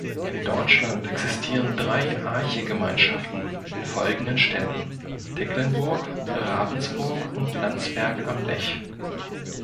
In Deutschland existieren drei Arche-Gemeinschaften in folgenden Städten: Tecklenburg, Ravensburg und Landsberg am Lech.